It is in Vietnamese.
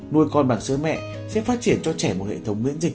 nuôi con bằng sữa mẹ sẽ phát triển cho trẻ một hệ thống miễn dịch